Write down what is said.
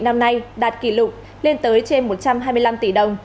năm nay đạt kỷ lục lên tới trên một trăm hai mươi năm tỷ đồng